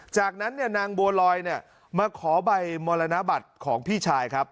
จากนั้นนางบัวลอยมาขอใบมรณบัตรของพี่ชายครับ